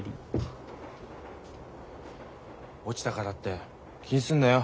落ちたからって気にすんなよ。